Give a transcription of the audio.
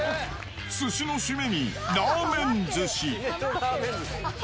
寿司の締めにラーメン寿司。